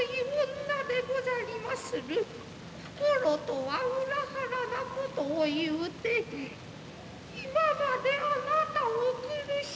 心とは裏腹なことを言うて今まであなたを苦しめました。